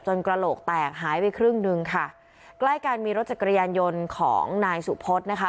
กระโหลกแตกหายไปครึ่งหนึ่งค่ะใกล้กันมีรถจักรยานยนต์ของนายสุพธนะคะ